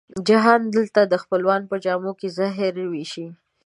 جهاني دلته دي خپلوان په جام کي زهر وېشي